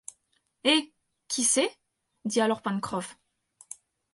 Eh ! qui sait ? dit alors Pencroff.